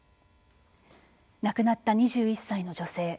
亡くなった２１歳の女性。